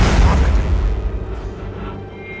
bawalah kepala nawangsi kehadapanku waskol